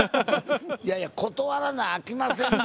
いやいや断らなあきませんで。